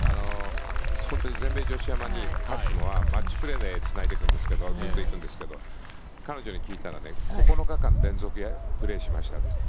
本当に全米女子アマに立つのはマッチプレーでつないでいくんですけど彼女に聞いたら、９日間連続でプレーしましたって。